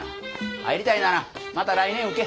入りたいならまた来年受け。